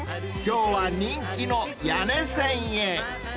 ［今日は人気の谷根千へ］